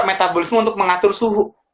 metabolisme untuk mengatur suhu